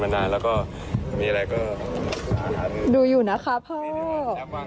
ว่าอะไรเห็นกันมานาน